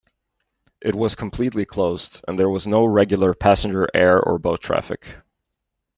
It was completely closed, and there was no regular passenger air or boat traffic.